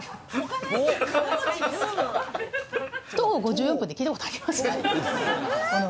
徒歩５４分って聞いたことあります？